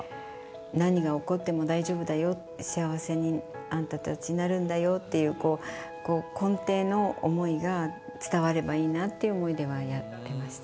何が起こっても大丈夫だよって、幸せにあんたたち、なるんだよっていう、根底の思いが伝わればいいなっていう思いではやってました。